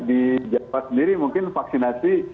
di jawa sendiri mungkin vaksinasi